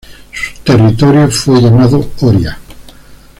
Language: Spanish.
Su territorio fue llamado "Horia".